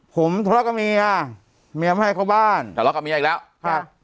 ผมทะเลาะกับเมียเมียไม่ให้เข้าบ้านทะเลาะกับเมียอีกแล้วครับ